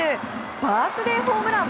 バースデーホームラン。